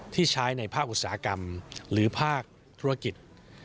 ที่ใช้ในภาคอุตสาหกรรมหรือภาคธุรกิจ